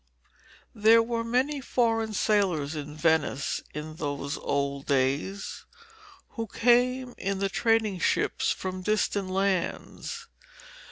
There were many foreign sailors in Venice in those old days, who came in the trading ships from distant lands.